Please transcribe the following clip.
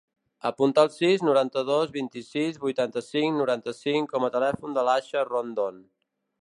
Apunta el sis, noranta-dos, vint-i-sis, vuitanta-cinc, noranta-cinc com a telèfon de l'Aixa Rondon.